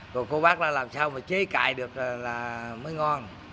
rồi cô bác là làm sao mà chế cài được là mới ngon